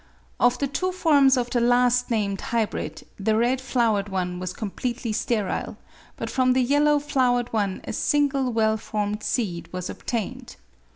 Of the two forms of the last named hybrid, the red flowered one was completely sterile, but from the yellow flowered one a single well formed seed was obtained.